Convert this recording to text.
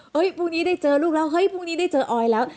พรุ่งนี้ได้เจอลูกแล้วเฮ้ยพรุ่งนี้ได้เจอออยแล้ว